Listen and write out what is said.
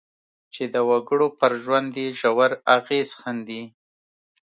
چې د وګړو پر ژوند یې ژور اغېز ښندي.